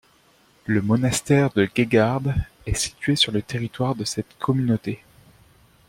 Le monastère de Geghard est situé sur le territoire de cette communauté.